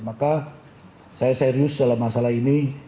maka saya serius dalam masalah ini